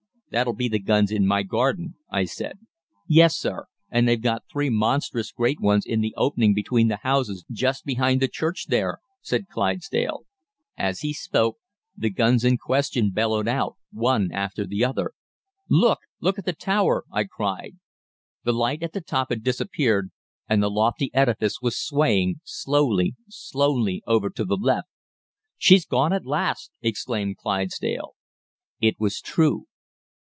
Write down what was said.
"'That'll be the guns in my garden,' I said. "'Yes, sir, and they've got three monstrous great ones in the opening between the houses just behind the church there,' said Clydesdale. "As he spoke, the guns in question bellowed out, one after the other. "'Look look at the tower!' I cried. "The light at the top had disappeared and the lofty edifice was swaying slowly, slowly, over to the left. "'She's gone at last!' exclaimed Clydesdale. "It was true.